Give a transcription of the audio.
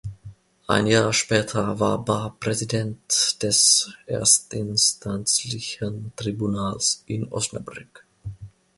Ein Jahr später war Bar Präsident des erstinstanzlichen Tribunals in Osnabrück.